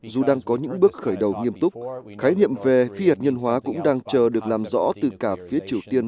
dù đang có những bước khởi đầu nghiêm túc khái niệm về phi hạt nhân hóa cũng đang chờ được làm rõ từ cả phía triều tiên